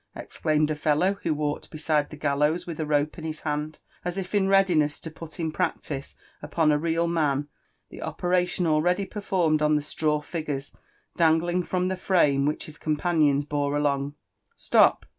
exclaimed a fellow who walked beside the gallows with a rope in his hand, as.if in readiness to pot in practice upon a real man the operation already performed on the straw figures dangling from the frame which his .companions boro along. "Stop!